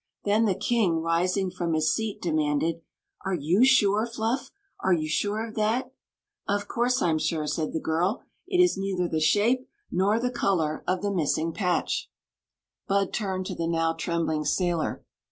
Then the king, rising from his seat, demanded : "Are you sure, Fluff? Are you sure of that?" " Of course I 'm sure," said the girl ;" it is neither the shape nor the color of the missing patch." Story of the Magic Cloak Bud turned to the now trembling sailor.